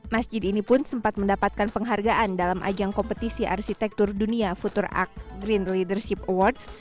masjid ini pun sempat mendapatkan penghargaan dalam ajang kompetisi arsitektur dunia futurak green leadership awards